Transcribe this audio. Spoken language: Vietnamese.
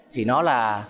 thì nó là